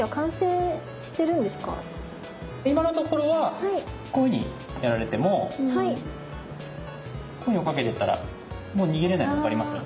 今のところはこういうふうにやられてもこう追っかけてったらもう逃げれないの分かります？